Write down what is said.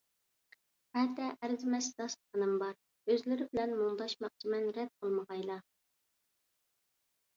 ئەتە ئەرزىمەس داستىخىنىم بار، ئۆزلىرى بىلەن مۇڭداشماقچىمەن، رەت قىلمىغايلا.